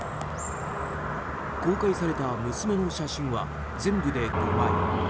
公開された娘の写真は全部で５枚。